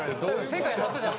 世界初じゃんそれ。